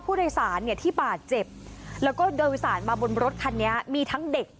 ผู้โดยสารเนี่ยที่บาดเจ็บแล้วก็โดยสารมาบนรถคันนี้มีทั้งเด็ก